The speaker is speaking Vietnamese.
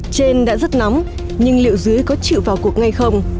trên đã rất nóng nhưng liệu dưới có chịu vào cuộc ngay không